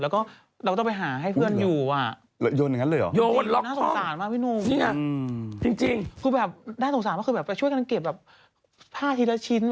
เข้าใจไหมบนทางด่วนก็ห้ามขับรถเกิน๘๐